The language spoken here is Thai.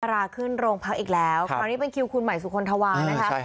ราขึ้นโรงพักอีกแล้วคราวนี้เป็นคิวคุณใหม่สุคลธวานะคะ